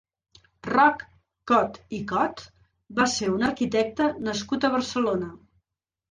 Roc Cot i Cot va ser un arquitecte nascut a Barcelona.